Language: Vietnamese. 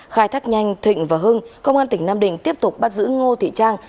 khai thác nhanh thịnh và hưng công an tỉnh nam định tiếp tục bắt giữ ngô thị trang